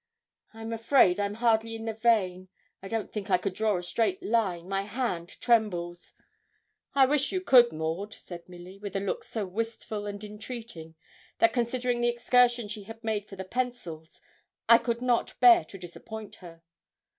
'I'm afraid I'm hardly in the vein. I don't think I could draw a straight line. My hand trembles.' 'I wish you could, Maud,' said Milly, with a look so wistful and entreating, that considering the excursion she had made for the pencils, I could not bear to disappoint her.